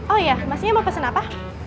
oh iya maksudnya mau pesen apa